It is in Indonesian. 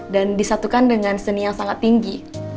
dan disatukan dengan seni yang sangat tinggi